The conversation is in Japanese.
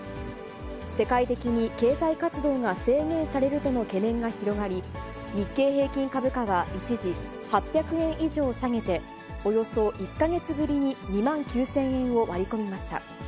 世界的に経済活動が制限されるとの懸念が広がり、日経平均株価は一時、８００円以上下げて、およそ１か月ぶりに２万９０００円を割り込みました。